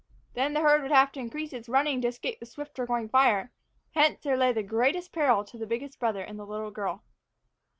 There the herd would have to increase its running to escape the swifter going fire; hence, there lay the greatest peril to the biggest brother and the little girl.